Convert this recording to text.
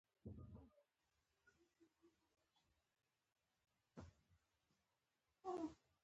د صنفي قواعدو نشتوالي له امله پراختیا ومونده.